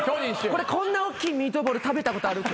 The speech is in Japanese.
「こんなおっきいミートボール食べたことある？」